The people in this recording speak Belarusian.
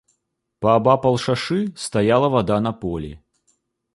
Паабапал шашы стаяла вада на полі.